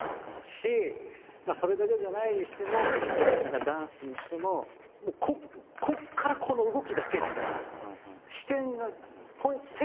それだけじゃないにしてもダンスにしてもここからこの動きだけみたいなそうですね。